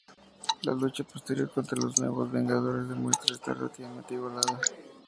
La lucha posterior contra los Nuevos Vengadores demuestra estar relativamente igualada.